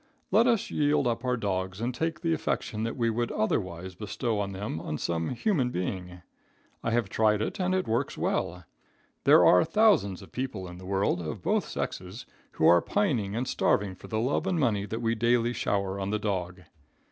Let us yield up our dogs and take the affection that we would otherwise bestow on them on some human being. I have tried it and it works well. There are thousands of people in the world, of both sexes, who are pining and starving for the love and money that we daily shower on the dog.